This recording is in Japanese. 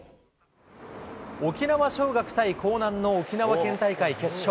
沖縄尚学対興南の沖縄県大会決勝。